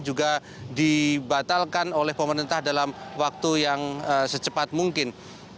juga dibatalkan oleh pemerintah dalam waktu yang secepat mungkin